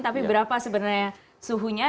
tapi berapa sebenarnya suhunya